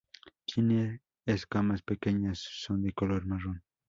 Tiene escamas pequeñas, son de color marrón.